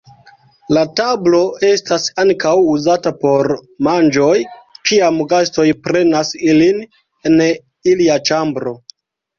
La tablo estas ankaŭ uzata por manĝoj kiam gastoj prenas ilin en ilia ĉambro.